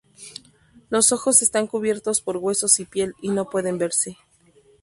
Los ojos están cubiertos por huesos y piel, y no pueden verse.